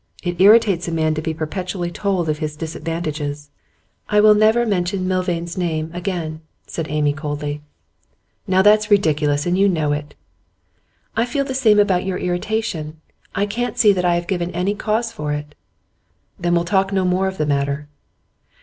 It irritates a man to be perpetually told of his disadvantages.' 'I will never mention Milvain's name again,' said Amy coldly. 'Now that's ridiculous, and you know it.' 'I feel the same about your irritation. I can't see that I have given any cause for it.' 'Then we'll talk no more of the matter.